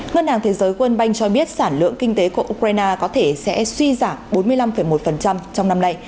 ngân hàng thế giới quân banh cho biết sản lượng kinh tế của ukraine có thể sẽ suy giảm bốn mươi năm một trong năm nay